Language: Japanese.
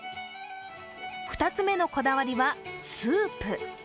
２つ目のこだわりはスープ。